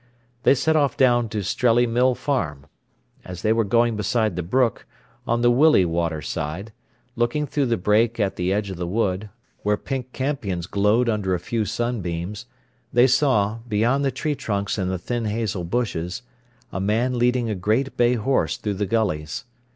They set off down to Strelley Mill Farm. As they were going beside the brook, on the Willey Water side, looking through the brake at the edge of the wood, where pink campions glowed under a few sunbeams, they saw, beyond the tree trunks and the thin hazel bushes, a man leading a great bay horse through the gullies.